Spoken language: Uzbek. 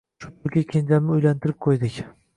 O`sha pulga kenjamni uylantirib qo`ydik